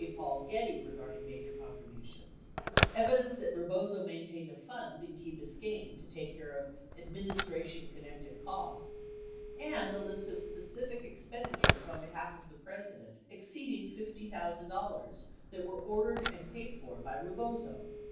Paul Getty regarding major contributions, evidence that Rebozo maintained a fund in Key Biscayne to take care of "ad 1070 ministration connected costs," and a list of specific expenditures on behalf of the President exceeding $50,000 that were ordered and paid for by Rebozo.